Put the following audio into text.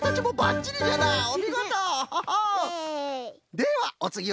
ではおつぎは？